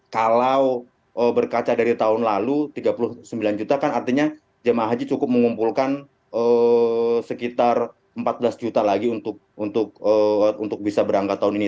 kalau berkaca dari tahun lalu tiga puluh sembilan juta kan artinya jemaah haji cukup mengumpulkan sekitar empat belas juta lagi untuk bisa berangkat tahun ini